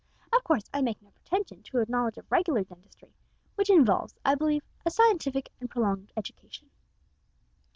Of course I make no pretension to a knowledge of regular dentistry, which involves, I believe, a scientific and prolonged education."